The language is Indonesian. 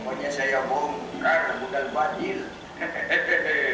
pokoknya saya bohong karabu dan bajil